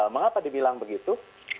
mengapa dibilang begitu